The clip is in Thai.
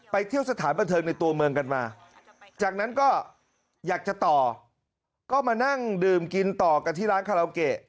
เที่ยวสถานบันเทิงในตัวเมืองกันมาจากนั้นก็อยากจะต่อก็มานั่งดื่มกินต่อกันที่ร้านคาราโอเกะ